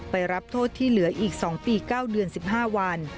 รับโทษที่เหลืออีก๒ปี๙เดือน๑๕วัน